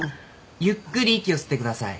ゆっくり息を吸ってください。